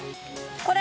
これ？